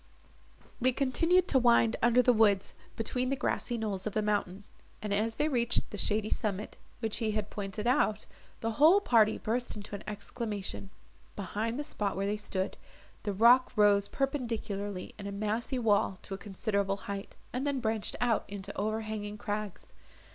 They continued to wind under the woods, between the grassy knolls of the mountain, and, as they reached the shady summit, which he had pointed out, the whole party burst into an exclamation. Behind the spot where they stood, the rock rose perpendicularly in a massy wall to a considerable height, and then branched out into overhanging crags.